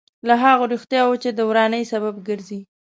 له هغه رښتیاوو چې د ورانۍ سبب ګرځي.